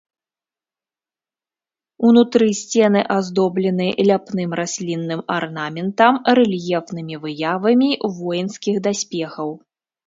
Унутры сцены аздоблены ляпным раслінным арнаментам, рэльефнымі выявамі воінскіх даспехаў.